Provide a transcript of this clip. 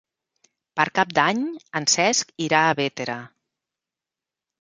Per Cap d'Any en Cesc irà a Bétera.